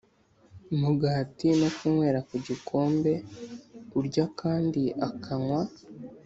mugati no kunywera ku gikombe Urya kandi akanywa